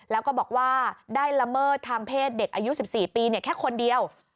แล้วก็บอกว่าได้ละเมิดทางเพศเด็กอายุ๑๔ปีแค่คนเดียว